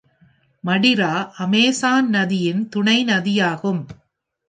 மடிரா Amazon நதியின் துணை நதியாகும்.